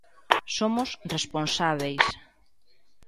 Somos responsábeis.